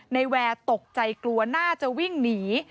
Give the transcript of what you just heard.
แวร์ตกใจกลัวน่าจะวิ่งหนี